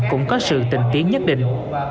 cũng có sự tình tiến nhất định